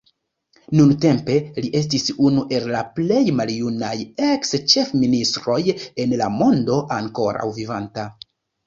Nuntempe li estis unu el la plej maljunaj eks-ĉefministroj en la mondo ankoraŭ vivanta.